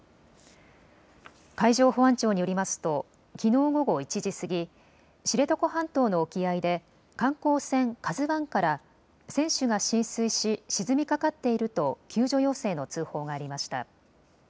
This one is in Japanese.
海上保安庁によりますときのう午後１時過ぎ、知床半島の沖合で観光船ＫＡＺＵわんから船首が浸水し沈みかかっていると救助要請の通報がありました。